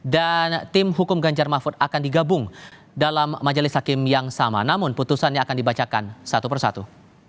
dan tim hukum ganjar mahfud akan digabung dalam majelis hakim yang sama namun putusannya akan dibacakan satu persatu